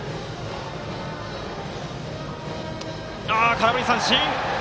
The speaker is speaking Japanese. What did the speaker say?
空振り三振。